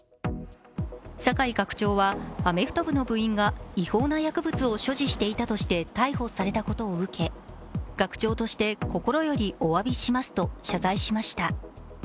酒井学長は、アメフト部の部員が違法な薬物を所持していたとして逮捕されたことを受け、「学長として心よりおわびします」と謝罪しました。